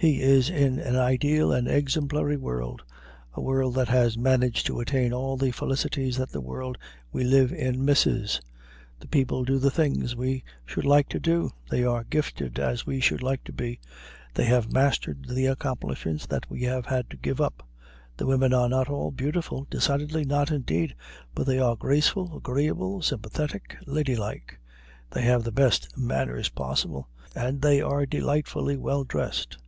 He is in an ideal and exemplary world a world that has managed to attain all the felicities that the world we live in misses. The people do the things that we should like to do; they are gifted as we should like to be; they have mastered the accomplishments that we have had to give up. The women are not all beautiful decidedly not, indeed but they are graceful, agreeable, sympathetic, ladylike; they have the best manners possible and they are delightfully well dressed.